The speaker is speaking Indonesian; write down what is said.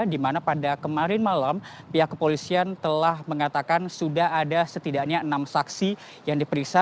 di mana pada kemarin malam pihak kepolisian telah mengatakan sudah ada setidaknya enam saksi yang diperiksa